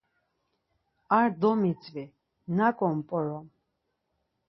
Ar domitzvi naǩo mp̌orom?